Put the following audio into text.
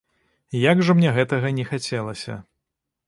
Як жа мне гэтага не хацелася.